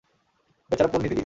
বেচারা পোন্নি দিদি।